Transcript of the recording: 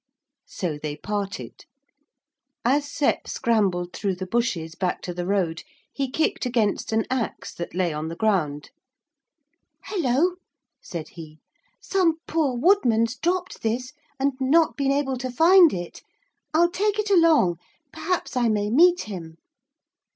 So they parted. As Sep scrambled through the bushes back to the road he kicked against an axe that lay on the ground. 'Hullo,' said he, 'some poor woodman's dropped this, and not been able to find it. I'll take it along perhaps I may meet him.'